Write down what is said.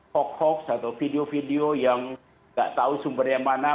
hoax hoax atau video video yang nggak tahu sumbernya mana